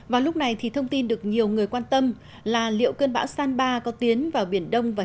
và lúc này thì thông tin được nhiều người quan tâm là liệu cơn bão san ba có tiến vào biển đông và